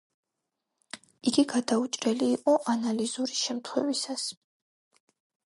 იგი გადაუჭრელი იყო ანალიზური შემთხვევისას.